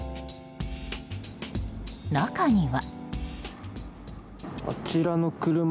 中には。